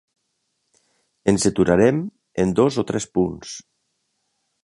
Ens deturarem en dos o tres punts.